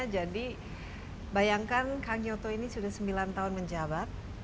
jadi bayangkan kang nyoto ini sudah sembilan tahun menjabat